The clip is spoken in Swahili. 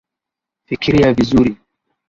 Fikiria vizuri